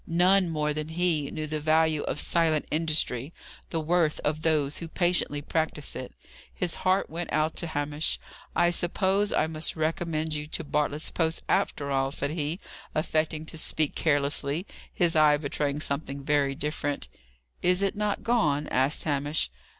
None, more than he, knew the value of silent industry the worth of those who patiently practise it. His heart went out to Hamish. "I suppose I must recommend you to Bartlett's post, after all," said he, affecting to speak carelessly, his eye betraying something very different. "Is it not gone?" asked Hamish.